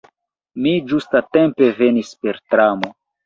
Mi ĝustatempe venis per tramo.